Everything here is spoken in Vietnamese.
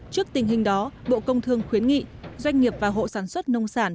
trước tình hình đó bộ công thương khuyến nghị doanh nghiệp và hộ sản xuất nông sản